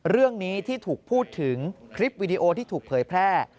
เรื่องนี้ที่ถูกพูดถึงคลิปวิดีโอที่ถูกเผยแพร่